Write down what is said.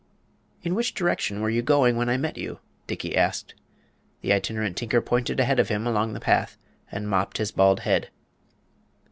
"In which direction were you going when I met you?" Dickey asked. The Itinerant Tinker pointed ahead of him along the path and mopped his bald head.